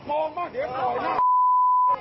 มองมาเดี๋ยวต่อไปนะ